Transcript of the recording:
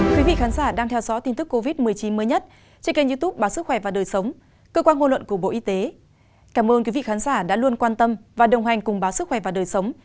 cảm ơn quý vị đã theo dõi